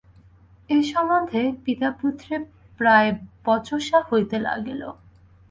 এ সম্বন্ধে পিতাপুত্রে প্রায় বচসা হইতে লাগিল।